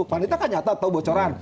panitia kan nyata tahu bocoran